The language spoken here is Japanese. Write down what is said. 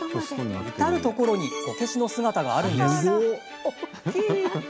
至る所にこけしの姿があるんです。